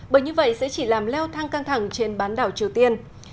bởi như vậy sẽ chỉ làm leo thang căng thẳng trên bán đảo triều tiên